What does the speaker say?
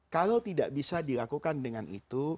kalau tidak bisa dilakukan dengan itu